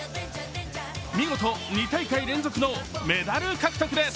見事、２大会連続のメダル獲得です。